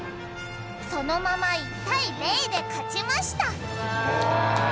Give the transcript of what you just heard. そのまま１対０でかちました